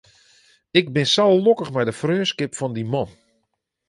Ik bin sa lokkich mei de freonskip fan dy man.